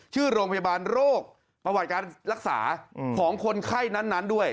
ชื่อโรงพยาบาลโรคประวัติการรักษาของคนไข้นั้นด้วย